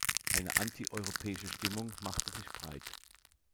Eine anti-europäische Stimmung machte sich breit.